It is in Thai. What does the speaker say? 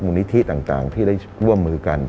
นิธิต่างที่ได้ร่วมมือกัน